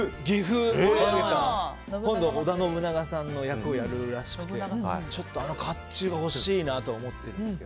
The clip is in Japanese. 今度、織田信長さんの役をやるらしくてちょっとあの甲冑が欲しいなと思ってるんですね。